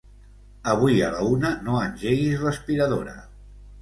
Avui a la una no engeguis l'aspiradora.